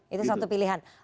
itu suatu pilihan